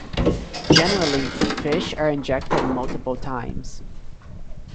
Generally, fish are injected multiple times.